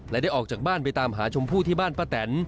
และได้ออกจากบ้านไปตามหาชมพู่ที่บ้านป้าแตน